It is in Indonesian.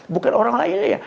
bukan orang lain ya